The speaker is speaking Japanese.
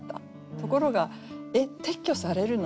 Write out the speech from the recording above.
ところが「えっ撤去されるの？